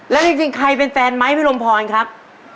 แล้วจริงใครเป็นแฟนไหมพี่ลมพรครับ